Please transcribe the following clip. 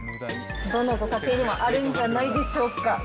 どのご家庭にもあるんじゃないでしょうか。